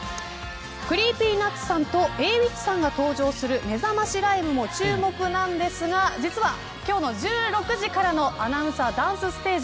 ＣｒｅｅｐｙＮｕｔｓさんとＡｗｉｃｈさんが登場するめざましライブも注目なんですが実は今日の、１６時からのアナウンサーダンスステージ